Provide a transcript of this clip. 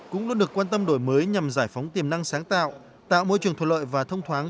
cũng luôn được quan tâm đổi mới nhằm giải phóng tiềm năng sáng tạo tạo môi trường thuận lợi và thông thoáng